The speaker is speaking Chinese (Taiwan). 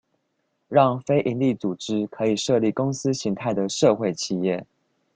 讓非營利組織可以設立公司型態的社會企業